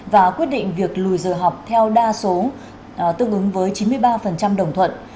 và quyết định việc lùi giờ học theo đa số tương ứng với chín mươi ba đồng thuận